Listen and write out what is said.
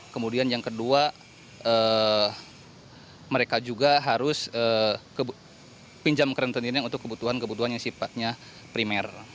kemudian yang kedua mereka juga harus pinjam ke rentenirnya untuk kebutuhan kebutuhan yang sifatnya primer